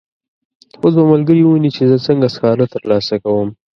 اوس به ملګري وویني چې زه څنګه سکاره ترلاسه کوم.